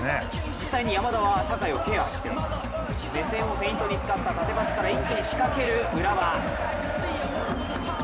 実際に山田は酒井をケアして目線をフェイントに使った縦パスから一気に仕掛ける浦和。